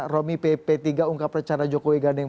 romi pp tiga ungkap percara jokowi gading